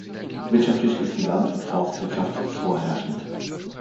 Wirtschaftlich ist die Land- und Forstwirtschaft vorherrschend.